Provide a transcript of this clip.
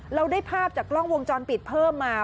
เราได้ภาพจากกล้องวงจรปิดเพิ่มมา